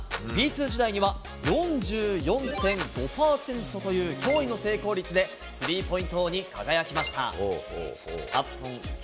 Ｂ２時代には４４．５％という驚異の成功率で、スリーポイント王に輝きました。